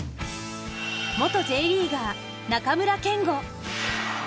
元Ｊリーガー・中村憲剛。